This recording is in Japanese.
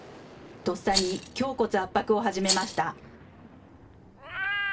とっさに胸骨圧迫を始めました。